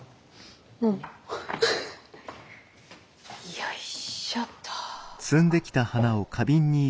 よいしょっと。